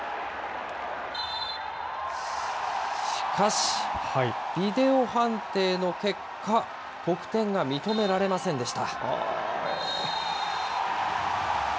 しかし、ビデオ判定の結果、得点が認められませんでした。